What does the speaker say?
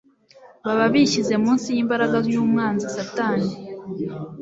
baba bishyize munsi y'imbaraga y'umwanzi Satani.